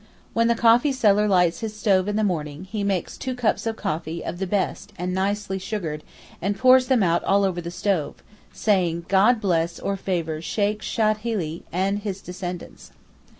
When the coffee seller lights his stove in the morning, he makes two cups of coffee of the best and nicely sugared, and pours them out all over the stove, saying, 'God bless or favour Sheykh Shadhilee and his descendants.